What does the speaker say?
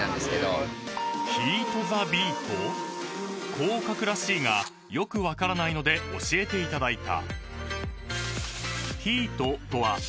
［こう書くらしいがよく分からないので教えていただいた］